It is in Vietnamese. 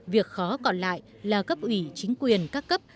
việc khó còn lại là cấp ủy chính quyền các cấp